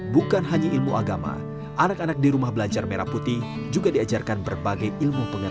bukan hanya ilmu agama anak anak di rumah belajar merah putih juga diajarkan berbagai ilmu pengetahuan